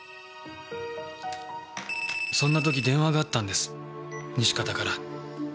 そんな時電話があったんです西片から。